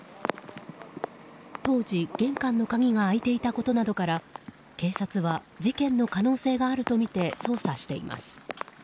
当時、玄関の鍵が開いていたことなどから警察は事件の可能性があるとみて捜査しています。